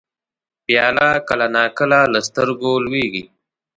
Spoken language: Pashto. پیاله کله نا کله له سترګو لوېږي.